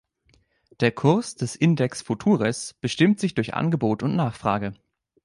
Der Kurs des Index-Futures bestimmt sich durch Angebot und Nachfrage.